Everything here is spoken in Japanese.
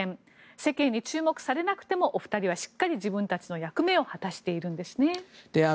世間に注目されなくてもお二人はしっかり自分たちの役目を果たしているんですね。